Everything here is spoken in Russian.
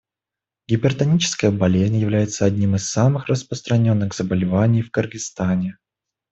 Гипертоническая болезнь является одним из самых распространенных заболеваний в Кыргызстане.